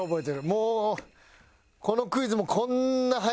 もうこのクイズも。